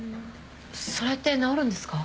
それって治るんですか？